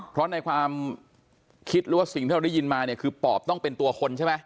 เพราะในความคิดหรือว่าสิ่งที่เราได้ยินมาเนี่ยคือปอบต้องเป็นตัวคนใช่ไหม